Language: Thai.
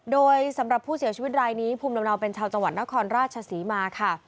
โดยสำหรับผู้เสียชีวิตรายนี้ภูมิลำเนาเป็นชาวจังหวัดนครราชศรีมาค่ะ